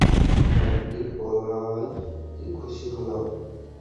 আপনি বলায় খুশি হলাম।